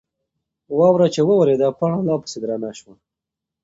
واوره چې وورېده، پاڼه لا پسې درنه شوه.